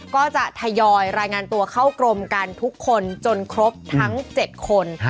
ก็จะทยอยรายงานตัวเข้ากรมกันทุกคนจนครบทั้ง๗คน